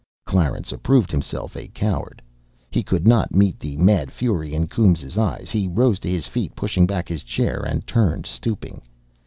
Clarence approved himself a coward. He could not meet the mad fury in Coombes' eyes; he rose to his feet, pushing back his chair, and turned, stooping.